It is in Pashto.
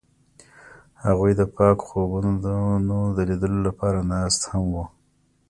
هغوی د پاک خوبونو د لیدلو لپاره ناست هم وو.